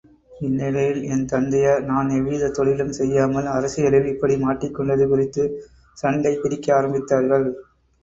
இந்நிலையில் என் தந்தையார் நான் எவ்விதத் தொழிலும் செய்யாமல் அரசியலில் இப்படி மாட்டிக்கொண்டது குறித்து சண்டை பிடிக்க ஆரம்பித்தார்கள்.